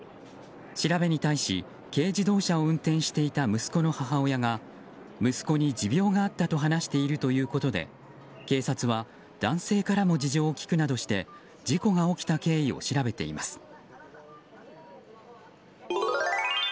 調べに対し、軽自動車を運転していた息子の母親が息子に持病があったと話しているということで警察は男性からも事情を聴くなどして事故が起きた経緯を調べています。